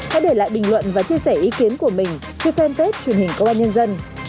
hãy để lại bình luận và chia sẻ ý kiến của mình trên fanpage truyền hình công an nhân dân